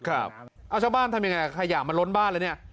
เอาชาวบ้านทำยังไงขยะมันล้นบ้านแล้วเนี่ย